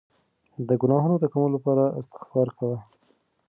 د ګناهونو د کمولو لپاره استغفار کوه.